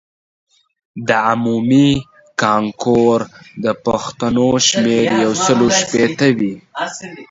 د عمومي کانکور د پوښتنو شمېر یو سلو شپیته وي.